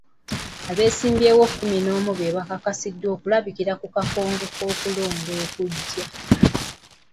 Abeesimbyewo kumi n'omu be bakakasiddwa okulabikira ku kakonge k'okulonda okujja.